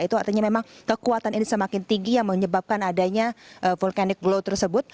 itu artinya memang kekuatan ini semakin tinggi yang menyebabkan adanya vulkanik glow tersebut